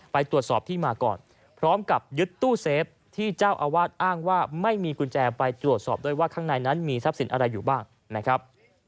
ไปตรวจสอบที่มาก่อนพร้อมกับยึดตู้เซฟที่เจ้าอาวาสอ้างว่าไม่มีกุญแจไปตรวจสอบด้วยว่าข้างในนั้นมีทรัพย์สินอะไรอยู่บ้างนะครับ